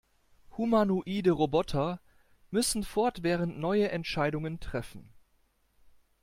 Humanoide Roboter müssen fortwährend neue Entscheidungen treffen.